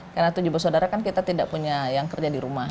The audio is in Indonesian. karena tujuh bersaudara kan kita tidak punya yang kerja di rumah